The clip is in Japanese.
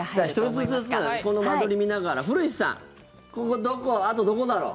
１人ずつこの間取り見ながら古市さん、あとどこだろう？